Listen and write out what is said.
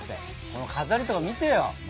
この飾りとか見てよ。